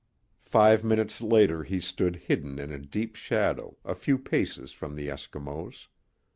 Five minutes later he stood hidden in a deep shadow, a few paces from the Eskimos.